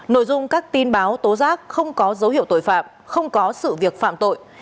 nội dung các tin báo tố giác không có dấu hiệu tội phạm không có sự việc phạm tội